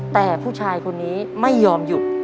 แต่ผู้ชายคนนี้ไม่ยอมหยุด